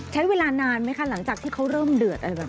ใช้เวลาน่ารมั้ยคะหลังจากที่เค้าเริ่มเดือด